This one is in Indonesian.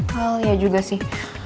well ya juga sih